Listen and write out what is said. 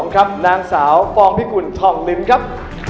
ครับนางสาวฟองพิกุลทองลิ้นครับ